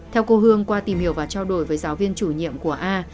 theo cô hương qua tìm hiểu và trao đổi với giáo viên chủ nhiệm của a